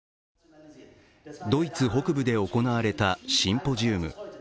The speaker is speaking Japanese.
ドイツ北部で行われたシンポジウム。